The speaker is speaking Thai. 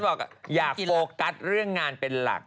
ก็จะบอกอย่าโฟกัสเรื่องงานไปราก